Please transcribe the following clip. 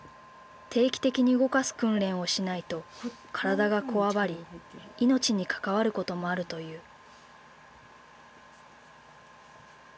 定期的に動かす訓練をしないと体がこわばり命に関わることもあるという。